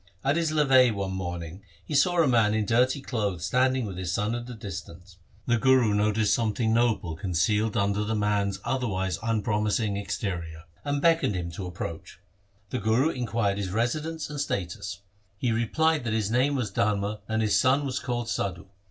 At his levee one morning he saw a man in dirty clothes standing with his son at a distance. The Guru noticed something noble concealed under the man's otherwise unpromising exterior, and beckoned him to approach> The Guru inquired his residence and f 2 68 THE SIKH RELIGION status. He replied that his name was Dharma and his son was called Sadhu.